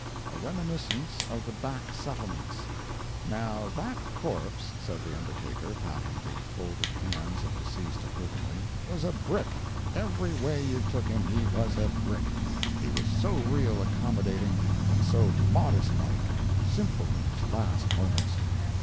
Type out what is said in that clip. A REMINISCENCE OF THE BACK SETTLEMENTS. "Now that corpse [said the undertaker, patting the folded hands of deceased approvingly] was a brick—every way you took him he was a brick. He was so real accommodating, and so modest like and simple in his last moments.